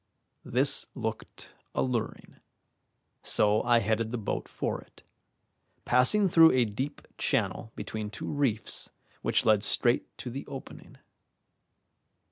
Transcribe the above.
This looked alluring, so I headed the boat for it, passing through a deep channel between two reefs which led straight to the opening.